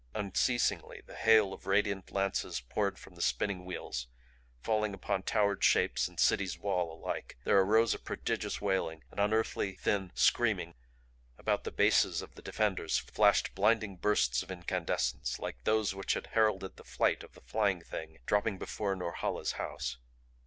Unceasingly the hail of radiant lances poured from the spinning wheels, falling upon Towered Shapes and City's wall alike. There arose a prodigious wailing, an unearthly thin screaming. About the bases of the defenders flashed blinding bursts of incandescence like those which had heralded the flight of the Flying Thing dropping before Norhala's house.